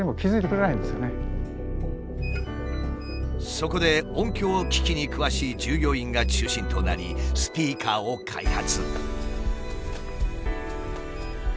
そこで音響機器に詳しい従業員が中心となりスピーカーを開発。